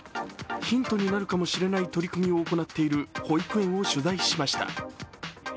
ヒントになるかもしれない取り組みを行っている保育園を取材しました。